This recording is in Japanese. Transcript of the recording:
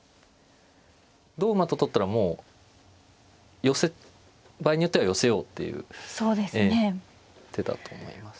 同馬と取ったらもう場合によったら寄せようっていう手だと思います。